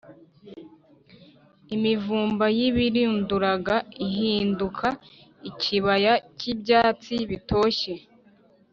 imivumba yibirinduraga ihinduka ikibaya cy’ibyatsi bitoshye,